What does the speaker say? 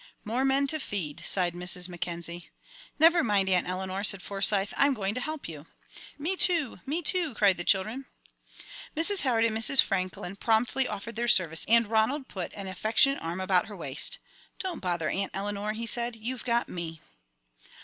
"More men to feed," sighed Mrs. Mackenzie. "Never mind, Aunt Eleanor," said Forsyth, "I'm going to help you." "Me, too! Me, too!" cried the children. Mrs. Howard and Mrs. Franklin promptly offered their services, and Ronald put an affectionate arm about her waist. "Don't bother, Aunt Eleanor," he said; "you've got me."